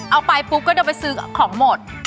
เอาไปปุ๊บก็เดินไปซื้อของหมด